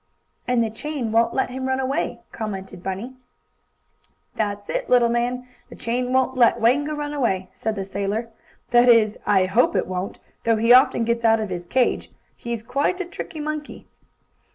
"And the chain won't let him run away," commented Bunny. "That's it, little man, the chain won't let Wango run away," said the sailor. "That is, I hope it won't, though he often gets out of his cage. He's quite a tricky monkey."